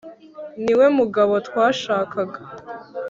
Niwe mugabo twashakaga